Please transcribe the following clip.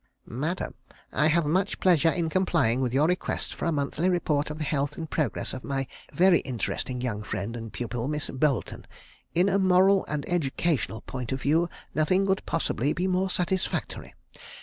"MADAM, "I have much pleasure in complying with your request for a monthly report of the health and progress of my very interesting young friend and pupil, Miss Boleton. In a moral and educational point of view nothing could possibly be more satisfactory....